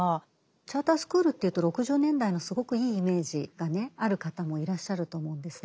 チャータースクールというと６０年代のすごくいいイメージがある方もいらっしゃると思うんですね。